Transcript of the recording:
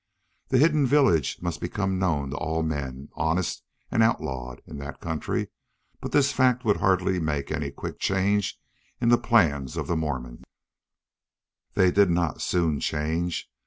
The hidden village must become known to all men, honest and outlawed, in that country, but this fact would hardly make any quick change in the plans of the Mormons. They did not soon change.